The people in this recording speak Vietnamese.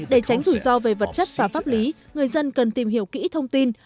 để tránh rủi ro về vật chất và pháp lý người dân cần tìm hiểu kỹ thông tin